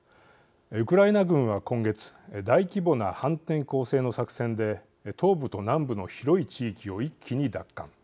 ウクライナ軍は今月大規模な反転攻勢の作戦で東部と南部の広い地域を一気に奪還。